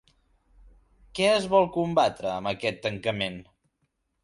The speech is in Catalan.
Què es vol combatre amb aquest tancament?